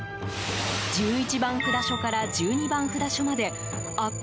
１１番札所から１２番札所までアップ